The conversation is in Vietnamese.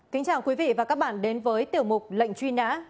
kính chào quý vị và các bạn đến với tiểu mục lệnh truy nã